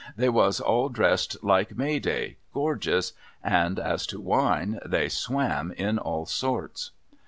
They was all dressed like May Day— gorgeous ! and as to Wine, they swam in all sorts.